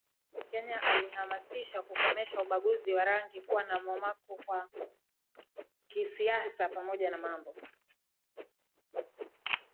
Kenya Alihamasisha kukomesha ubaguzi wa rangikuwa na mwamko wa kisiasapamoja na mambo